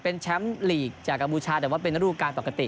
เป็นแชมป์ลีกจากกัมพูชาแต่ว่าเป็นระดูการปกติ